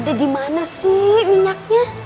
ada di mana sih minyaknya